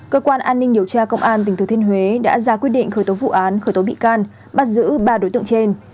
cơ quan an ninh điều tra công an tỉnh thừa thiên huế đã ra quyết định khởi tố vụ án khởi tố bị can bắt giữ ba đối tượng trên